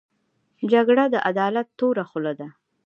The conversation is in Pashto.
جګړه د عدالت توره خوله ده